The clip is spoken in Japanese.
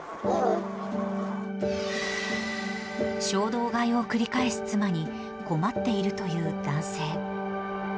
衝動買いを繰り返す妻に、困っているという男性。